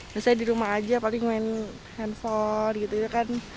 biasanya di rumah aja paling main handphone gitu ya kan